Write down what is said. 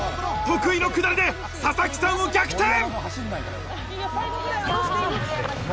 得意の下りで佐々木さんを逆転！